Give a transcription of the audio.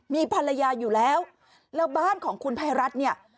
มีภรรยาอยู่แล้วแล้วบ้านของคุณภัยรัฐเนี่ย